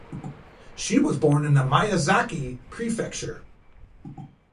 She was born in the Miyazaki Prefecture.